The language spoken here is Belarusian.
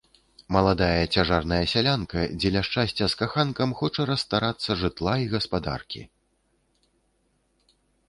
Маладая цяжарная сялянка дзеля шчасця з каханкам хоча расстарацца жытла і гаспадаркі.